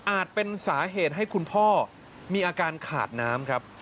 เป็นสาเหตุให้คุณพ่อมีอาการขาดน้ำครับ